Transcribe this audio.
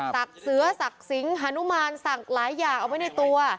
เสือศักดิ์สิงหานุมานสักหลายอย่างเอาไว้ในตัว